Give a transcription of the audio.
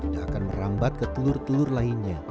tak akan merambat ke telur telur lainnya